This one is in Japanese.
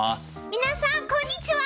皆さんこんにちは！